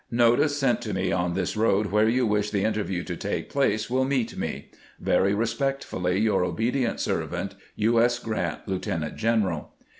Notice sent to me on this road where you wish the inter view to take place will meet me. Very respectfully, your obedient servant, U. S. Grant, Lieutenant general.